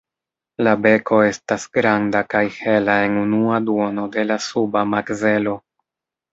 La beko estas granda kaj hela en unua duono de la suba makzelo.